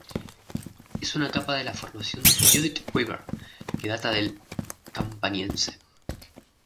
Es una capa de la Formación Judith River que data del Campaniense.